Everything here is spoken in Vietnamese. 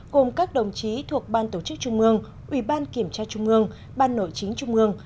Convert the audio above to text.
cùng các đồng chí thuộc ban tổ chức trung ương ủy ban kiểm tra trung ương ban nội chính trung ương